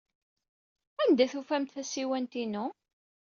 Anda ay d-tufamt tasiwant-inu?